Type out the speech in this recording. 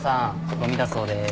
ごみだそうです。